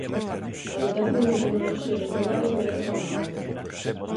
A dotación de tecnoloxía dos fogares medra cada ano.